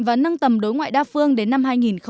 và nâng tầm đối ngoại đa phương đến năm hai nghìn ba mươi